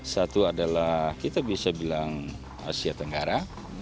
satu adalah kita bisa bilang asia tenggara